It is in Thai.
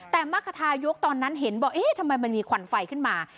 แต่มรรคทายกตอนนั้นเห็นบอกเอ๊ะทำไมมันมีควันไฟขึ้นมา